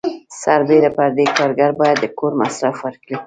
سربیره پر دې کارګر باید د کور مصرف ورکړي.